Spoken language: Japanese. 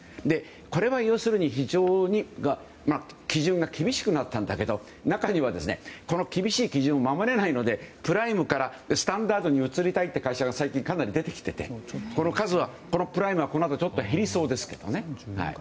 これは要するに非常に基準が厳しくなったんだけど中には厳しい基準を守れないのでプライムからスタンダードに移りたいという会社が最近かなり出ていてこの数は、プライムはこのあと減りそうですけどね。